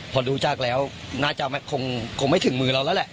พอดูจากแล้วน่าจะคงไม่ถึงมือเราแล้วแหละ